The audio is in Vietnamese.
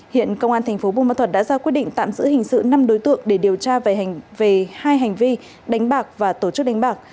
hiện công an thành phố bùa mật thuật đã ra quyết định tạm giữ hình sự năm đối tượng để điều tra về hai hành vi đánh bạc và tổ chức đánh bạc